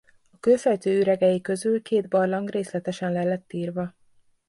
A kőfejtő üregei közül két barlang részletesen le lett írva.